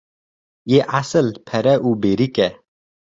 Yê esil pere û berîk e.